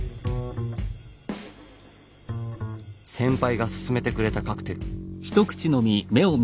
先輩が薦めてくれたカクテル。